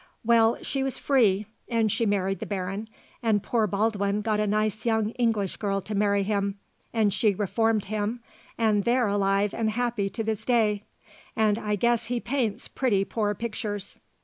"Well, she was free and she married the Baron, and poor Baldwin got a nice young English girl to marry him, and she reformed him, and they're alive and happy to this day, and I guess he paints pretty poor pictures.